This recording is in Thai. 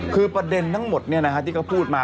คือประเด็นทั้งหมดเนี่ยนะคะที่เขาพูดมา